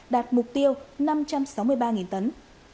đạt mục tiêu năm trăm sáu mươi ba tấn